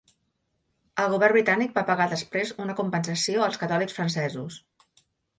El govern britànic va pagar després una compensació als catòlics francesos.